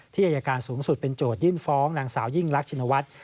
อายการสูงสุดเป็นโจทยื่นฟ้องนางสาวยิ่งรักชินวัฒน์